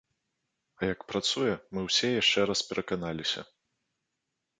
А як працуе, мы ўсе яшчэ раз пераканаліся.